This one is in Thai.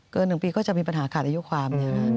๑ปีก็จะมีปัญหาขาดอายุความ